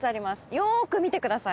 よく見てください。